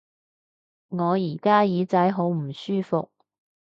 我而家耳仔好唔舒服